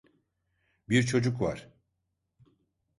Bir çocuk var.